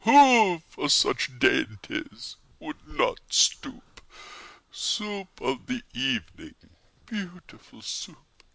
Who for such dainties would not stoop? Soup of the evening, beautiful Soup!